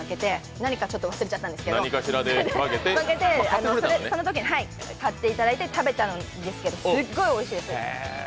何かちょっと忘れちゃったんですけど、負けて、そのときに買っていただいて食べたんですけど、すっごいおいしいです。